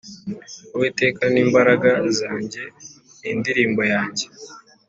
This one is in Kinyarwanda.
Uwiteka ni imbaraga zanjye n indirimbo yanjye